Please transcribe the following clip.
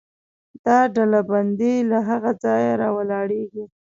دا ډلبندي له هغه ځایه راولاړېږي.